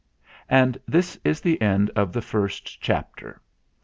And this is the end of the first chapter.